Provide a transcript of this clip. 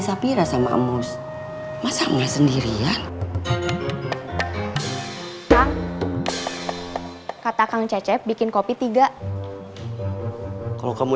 sapi rasa makmus masaknya sendirian kata kang cecep bikin kopi tiga kalau kamu